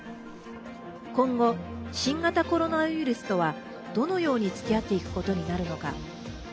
今後、新型コロナウイルスとはどのようにつきあっていくことになるのか。